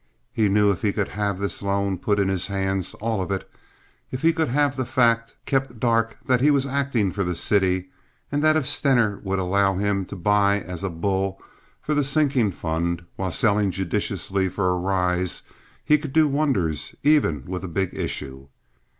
He knew if he could have this loan put in his hands—all of it, if he could have the fact kept dark that he was acting for the city, and that if Stener would allow him to buy as a "bull" for the sinking fund while selling judiciously for a rise, he could do wonders even with a big issue.